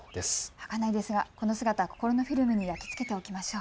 はかないんですが、この姿、心のフィルムに焼き付けておきましょう。